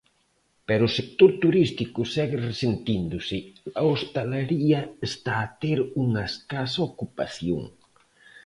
Pero o sector turístico segue resentíndose, a hostalería está a ter unha escasa ocupación.